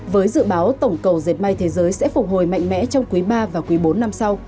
với dự báo tổng cầu dệt may thế giới sẽ phục hồi mạnh mẽ trong quý ba và quý bốn năm sau